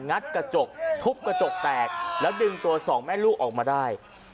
งัดกระจกทุบกระจกแตกแล้วดึงตัวสองแม่ลูกออกมาได้